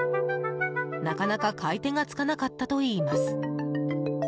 なかなか買い手がつかなかったといいます。